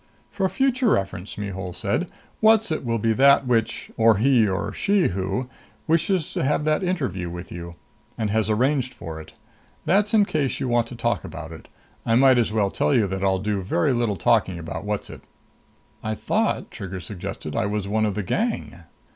"For future reference," Mihul said, "Whatzzit will be that which or he or she who wishes to have that interview with you and has arranged for it. That's in case you want to talk about it. I might as well tell you that I'll do very little talking about Whatzzit." "I thought," Trigger suggested, "I was one of the gang."